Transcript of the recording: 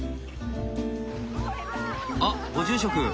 あっご住職！